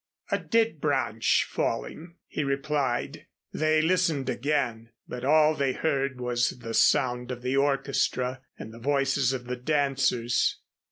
"A dead branch falling," he replied. They listened again, but all they heard was the sound of the orchestra and the voices of the dancers.